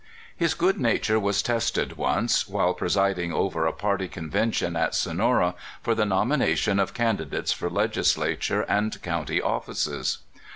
His good nature was tested once while presiding over a party convention at Sonora for the nomina tion of candidates for legislative and county of 264 CALIFORNIA SKETCHES. fices.